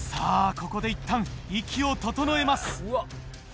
ここでいったん息を整えます。